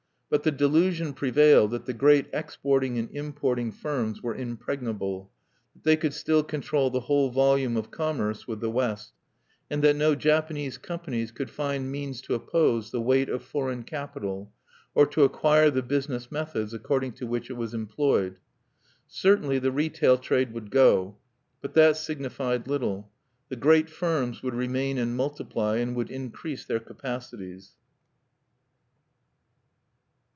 But the delusion prevailed that the great exporting and importing firms were impregnable; that they could still control the whole volume of commerce with the West; and that no Japanese companies could find means to oppose the weight of foreign capital, or to acquire the business methods according to which it was employed. Certainly the retail trade would go. But that signified little. The great firms would remain and multiply, and would increase their capacities.